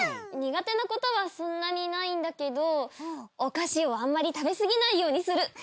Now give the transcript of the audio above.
苦手なことはそんなにないんだけどお菓子をあんまり食べ過ぎないようにする！